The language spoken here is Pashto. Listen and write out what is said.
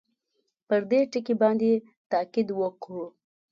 پر دې ټکي باندې تاءکید وکړو.